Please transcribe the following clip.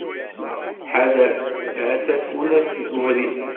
Ḥader, atta tfunast deg ubrid.